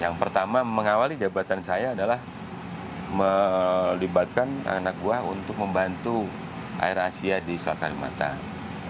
yang pertama mengawali jabatan saya adalah melibatkan anak buah untuk membantu air asia di selat kalimantan